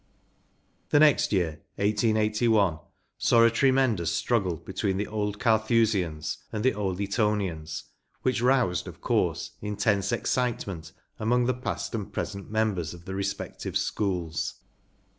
The next year, 1881, saw a tremendous struggle between the Old Carthusians and the Old Etonians, which roused, of course, intense excitement among the past and pre¬ sent members of the respective schools.